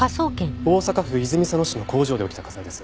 大阪府泉佐野市の工場で起きた火災です。